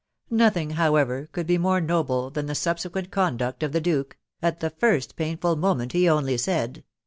Nothing, however, could be more noble than the subsequent conduct of the duke, .... at the first pain ful moment he only said